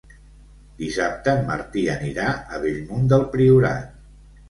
Dissabte en Martí anirà a Bellmunt del Priorat.